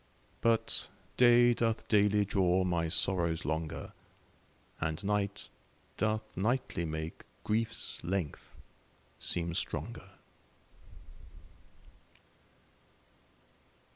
But day doth daily draw my sorrows longer, And night doth nightly make grief's length seem stronger.